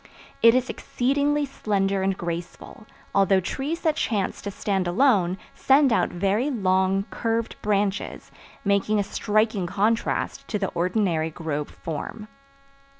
It is exceedingly slender and graceful, although trees that chance to stand alone send out very long, curved branches, making a striking contrast to the ordinary grove form.